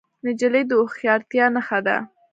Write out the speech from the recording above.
نجلۍ د هوښیارتیا نښه ده.